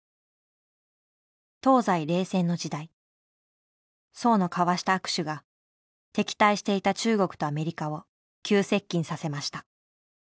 東西冷戦の時代荘の交わした握手が敵対していた中国とアメリカを急接近させました。